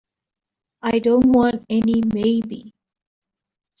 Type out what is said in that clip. I don't want any maybe.